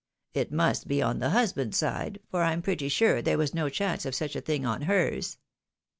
It must be on the husband's side, for I am pretty sure there was no chance of such a thing on hers.